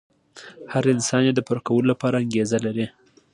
هر انسان يې د پوره کولو لپاره انګېزه لري.